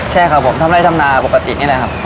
ใช่ครับผมทำไร่ทำนาปกตินี่แหละครับ